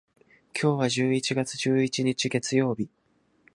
今日は十一月十一日、月曜日。